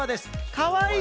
かわいい。